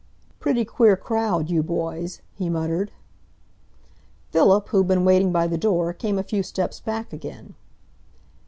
"Pretty queer crowd, you boys," he muttered. Philip, who had been waiting by the door, came a few steps back again.